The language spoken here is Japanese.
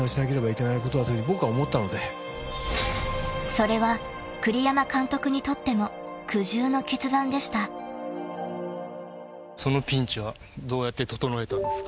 ［それは栗山監督にとっても］そのピンチはどうやって整えたんですか？